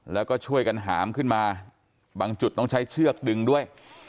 แล้วก็ช่วยกันหามขึ้นมาบางจุดต้องใช้เชือกดึงด้วย